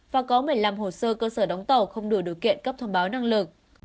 và có một mươi năm hồ sơ cơ sở đóng tàu không đủ điều kiện cấp thông báo năng lực